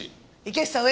池内さん